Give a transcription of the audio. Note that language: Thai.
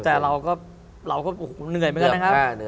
แต่เราก็เหนื่อยไหมครับ